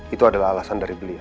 itu adalah alasan dari beliau